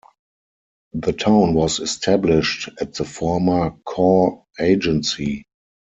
The town was established at the former Kaw Agency.